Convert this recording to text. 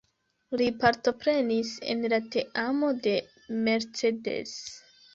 Li partoprenis en la teamo de Mercedes.